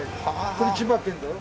これ千葉県だよ。